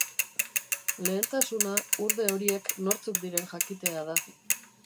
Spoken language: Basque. Lehentasuna urde horiek nortzuk diren jakitea da.